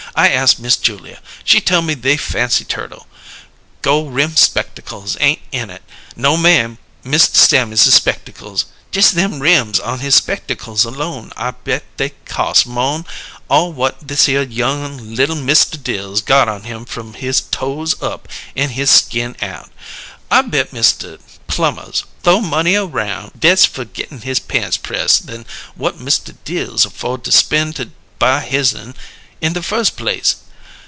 I ast Miss Julia; she tell me they fancy turtle. Gol' rim spectickles ain't in it; no ma'am! Mista Sammerses' spectickles jes' them rims on his spectickles alone I bet they cos' mo'n all whut thishere young li'l Mista Dills got on him from his toes up an' his skin out. I bet Mista Plummers th'ow mo' money aroun' dess fer gittin' his pants press' than whut Mista Dills afford to spen' to buy his'n in the firs' place!